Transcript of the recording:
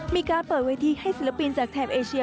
มีการเปิดเวทีให้ศิลปินจากแถบเอเชีย